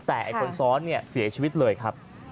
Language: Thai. แต่ไอ้คนซ้อนเนี่ยเสียชีวิตเลยครับ